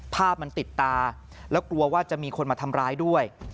ภาพมันติดตาแล้วกลัวว่าจะมีคนมาทำร้ายด้วย